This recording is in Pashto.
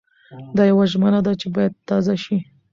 دا يوه ژمنه ده چې بايد تازه شي.